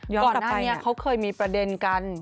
ก่อนหน้านี้เขาเคยมีประเด็นกัน